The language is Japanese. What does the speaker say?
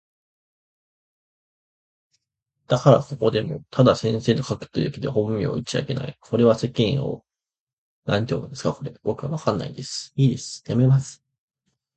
私はその人を常に先生と呼んでいた。だからここでもただ先生と書くだけで本名は打ち明けない。これは世間を憚る遠慮というよりも、その方が私にとって自然だからである。私はその人の記憶を呼び起すごとに、すぐ「先生」といいたくなる。筆を執とっても心持は同じ事である。よそよそしい頭文字などはとても使う気にならない。